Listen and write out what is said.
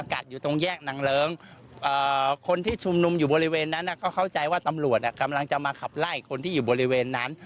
คนที่ชุมนุมอยู่บริเวณนั้นก็เข้าใจว่าตำรวจกำลังจะมาขับไล่คนที่อยู่บริเวณนั้น